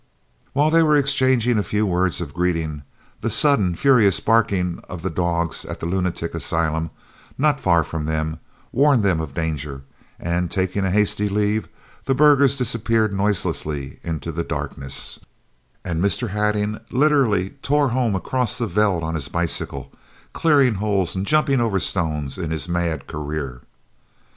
While they were exchanging a few words of greeting, the sudden, furious barking of the dogs at the Lunatic Asylum, not far from them, warned them of danger, and, taking a hasty leave, the burghers disappeared noiselessly into the darkness, and Mr. Hattingh literally tore home across the veld on his bicycle, clearing holes and jumping over stones in his mad career.